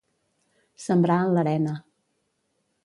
Sembrar en l'arena.